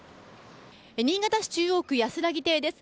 新潟市中央区やすらぎ堤です。